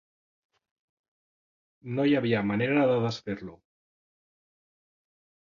No hi havia manera de desfer-lo.